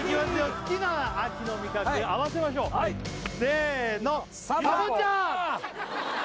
好きな秋の味覚合わせましょうせのかぼちゃ